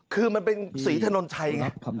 คือมันเป็นศรีถนนชัยไง